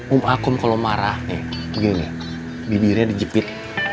om akum kalo marah nih begini nih bibirnya dijepit